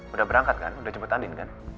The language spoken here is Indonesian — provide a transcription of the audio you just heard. udah berangkat kan udah cepet andien kan